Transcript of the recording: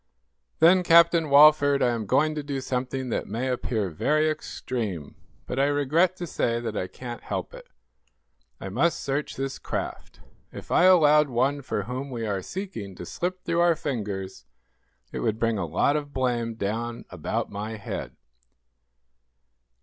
"Then, Captain Walford, I am going to do something that may appear very extreme, but I regret to say that I can't help it. I must search this craft. If I allowed one for whom we are seeking to slip through our fingers it would bring a lot of blame down about my head."